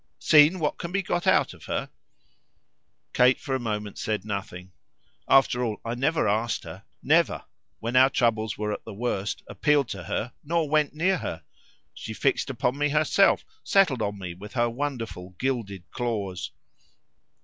"Seen what can be got out of her?" Kate for a moment said nothing. "After all I never asked her; never, when our troubles were at the worst, appealed to her nor went near her. She fixed upon me herself, settled on me with her wonderful gilded claws."